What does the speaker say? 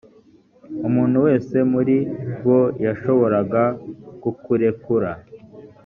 umuntu wese muri bo yashoboraga kukurekura